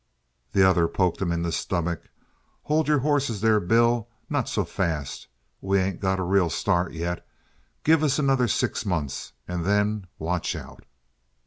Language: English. The other poked him in the stomach. "Hold your horses there, Bill. Not so fast. We ain't got a real start yet. Give us another six months, and then watch out."